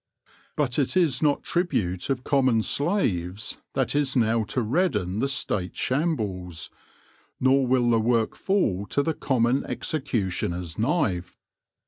But it is not tribute of com mon slaves that is now to redden the State shambles, nor will the work fall to the common executioner's knife.